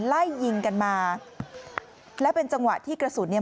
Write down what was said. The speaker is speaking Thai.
ไล่ยิงกันมาแล้วเป็นจังหวะที่กระสุนเนี่ย